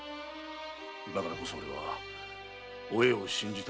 だからこそ俺はお栄を信じたいのだ。